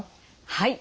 はい。